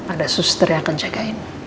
ada suster yang akan jagain